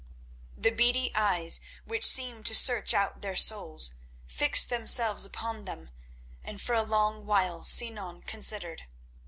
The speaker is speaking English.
The beady eyes, which seemed to search out their souls, fixed themselves upon them and for a long while Sinan considered.